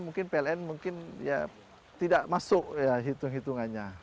mungkin pln tidak masuk hitung hitungannya